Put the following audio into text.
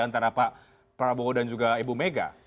antara pak prabowo dan juga ibu mega